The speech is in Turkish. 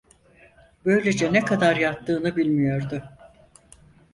Böylece ne kadar yattığını bilmiyordu.